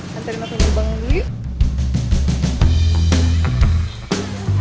mampir mampir mampir bangun dulu yuk